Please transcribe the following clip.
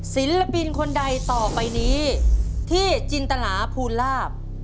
ศิลปินคนใดต่อไปนี้ที่จินตนาภูลาภ